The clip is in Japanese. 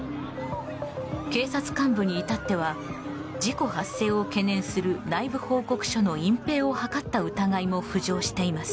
警察幹部に至っては事故発生を懸念する内部報告書の隠ぺいを図った疑いも浮上しています。